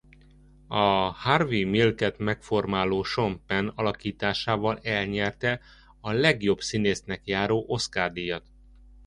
A Harvey Milk-et megformáló Sean Penn alakításával elnyerte a legjobb színésznek járó Oscar-díjat.